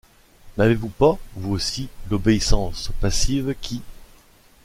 N’avez-vous pas, vous aussi, l’obéissance passive qui